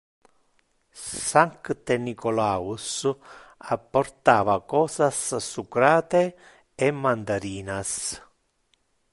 Sancte Nicolaus apportava cosas sucrate e mandarinas.